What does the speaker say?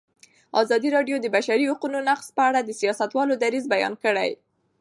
ازادي راډیو د د بشري حقونو نقض په اړه د سیاستوالو دریځ بیان کړی.